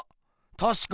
たしかに。